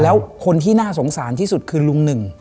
แล้วคนที่น่าสงสารที่สุดคือลุงหนึ่ง